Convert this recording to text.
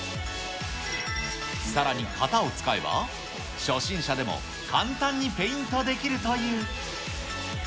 さらに型を使えば、初心者でも簡単にペイントできるという。